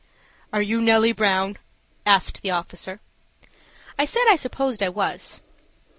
"Are you Nellie Brown?" asked the officer. I said I supposed I was.